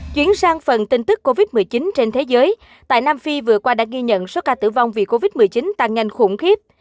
chuyển sang phần tin tức covid một mươi chín trên thế giới tại nam phi vừa qua đã ghi nhận số ca tử vong vì covid một mươi chín tăng nhanh khủng khiếp